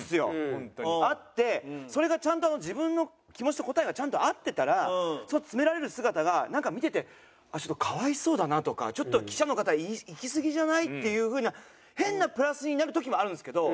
あってそれがちゃんと自分の気持ちと答えがちゃんと合ってたらその詰められる姿がなんか見ててあっちょっと可哀想だなとかちょっと記者の方いきすぎじゃない？っていう風な変なプラスになる時もあるんですけど。